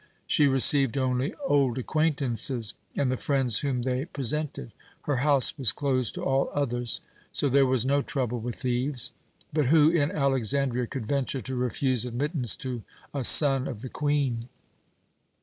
"She received only old acquaintances, and the friends whom they presented. Her house was closed to all others. So there was no trouble with thieves. But who in Alexandria could venture to refuse admittance to a son of the Queen?"